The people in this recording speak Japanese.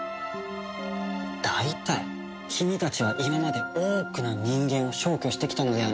大体君たちは今まで多くの人間を消去してきたのではないのか？